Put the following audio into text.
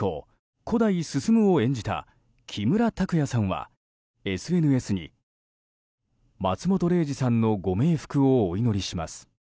・古代進を演じた木村拓哉さんはＳＮＳに松本零士さんのご冥福をお祈りします。